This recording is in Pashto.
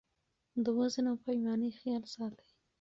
د وزن او پیمانې خیال ساتئ.